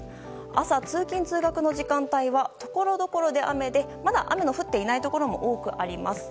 朝、通勤・通学の時間帯はところどころで雨でまだ雨の降っていないところも多くあります。